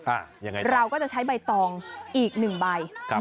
ยังไงเราก็จะใช้ใบตองอีกหนึ่งใบครับ